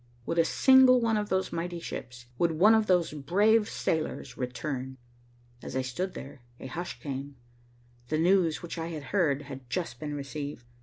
Would a single one of those mighty ships, would one of those brave sailors return? As I stood there, a hush came. The news which I had heard had just been received.